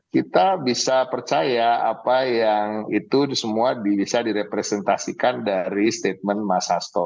kita bisa percaya apa yang itu semua bisa direpresentasikan dari statement mas hasto